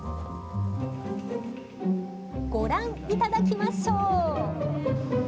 ご覧いただきましょう。